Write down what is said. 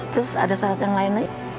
terus ada syarat yang lain